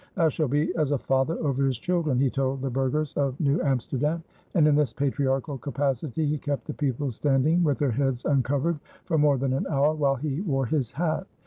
"I shall be as a father over his children," he told the burghers of New Amsterdam, and in this patriarchal capacity he kept the people standing with their heads uncovered for more than an hour, while he wore his hat.